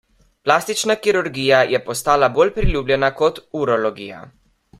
Plastična kirurgija je postala bolj priljubljena kot urologija.